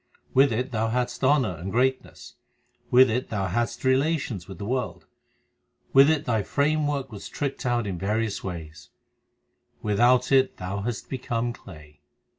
With it thou hadst honour and greatness, With it thou hadst relations with the world, With it thy framework was tricked out in various ways ; Without it thou hast become clay.